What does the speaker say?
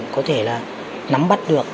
có thể nắm bắt được